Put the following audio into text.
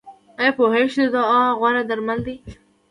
ایا پوهیږئ چې دعا غوره درمل ده؟